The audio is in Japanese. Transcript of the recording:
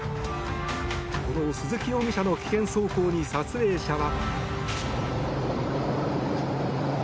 この鈴木容疑者の危険走行に撮影者は。